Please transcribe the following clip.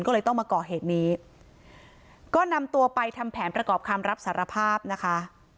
ก็เลยต้องมาก่อเหตุนี้ก็นำตัวไปทำแผนประกอบคำรับสารภาพนะคะ